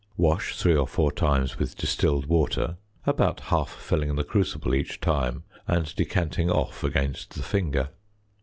Wash three or four times with distilled water, about half filling the crucible each time and decanting off against the finger.